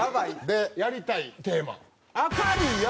でやりたいテーマ。